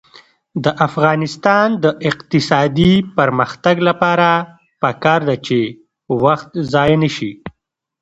د افغانستان د اقتصادي پرمختګ لپاره پکار ده چې وخت ضایع نشي.